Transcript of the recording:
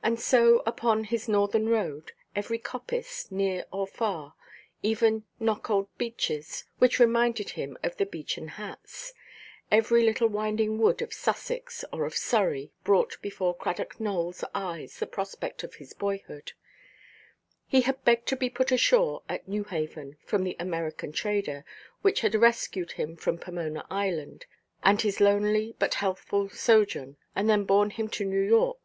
And so upon his northern road, every coppice, near or far, even "Knockholt Beeches" (which reminded him of the "beechen hats"), every little winding wood of Sussex or of Surrey brought before Cradock Nowellʼs eyes the prospect of his boyhood. He had begged to be put ashore at Newhaven, from the American trader, which had rescued him from Pomona Island, and his lonely but healthful sojourn, and then borne him to New York.